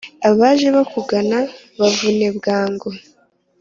Abaje bakugana ubavune bwangu